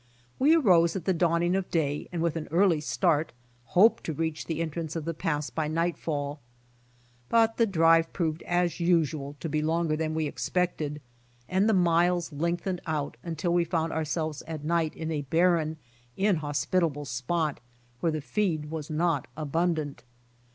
We arose at the dawning of day and with an early start, hoped to reach the entrance of the Pass by nightfall, but the drive proved as usual to be longer than we expected, and the miles lengthened out until we found ourselves at night in a barren, inhospitable spot, where the feed was not abundant.